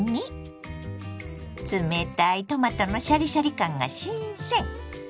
冷たいトマトのシャリシャリ感が新鮮！